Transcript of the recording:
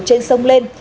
trên sông lên